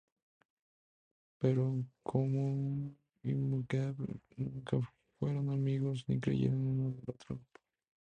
Pero Nkomo y Mugabe nunca fueron amigos ni creyeron uno en el otro.